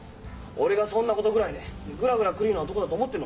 俺がそんなことぐらいでグラグラ来るような男だと思ってんのかよ？